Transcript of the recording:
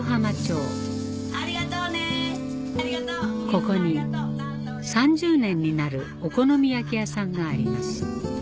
ここに３０年になるお好み焼き屋さんがあります